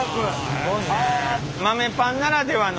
すごいね。